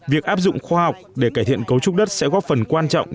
việc áp dụng khoa học để cải thiện cấu trúc đất sẽ góp phần quan trọng